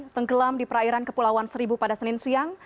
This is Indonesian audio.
tenggelam di perairan kepulauan seribu pada senin siang